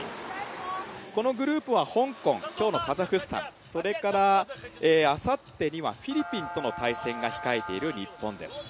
このグループは香港、今日のカザフスタンそれから、あさってにはフィリピンとの対戦が控えている日本です。